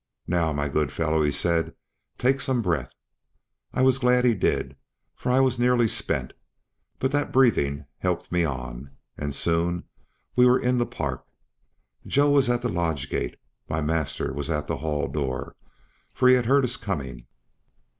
"Now, my good fellow," he said, "take some breath." I was glad he did, for I was nearly spent, but that breathing helped me on, and soon we were in the park. Joe was at the lodge gate; my master was at the Hall door, for he had heard us coming.